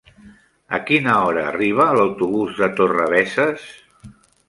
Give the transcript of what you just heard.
A quina hora arriba l'autobús de Torrebesses?